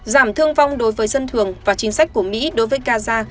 giảm thương vong đối với dân thường và chính sách của mỹ đối với gaza